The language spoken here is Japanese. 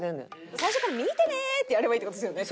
最初から「見てね！」ってやればいいって事ですよね